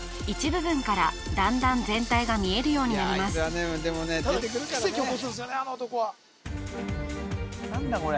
一部分からだんだん全体が見えるようになりますなんだ